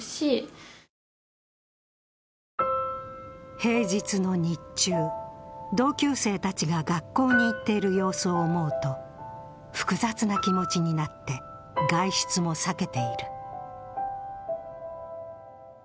平日の日中、同級生たちが学校に行っている様子を思うと複雑な気持ちになって外出も避けている。